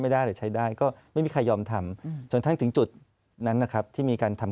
หรือใช้ได้ก็ไม่มีใครยอมทำจนทั้งถึงจุดนั้นนะครับที่มีการทำ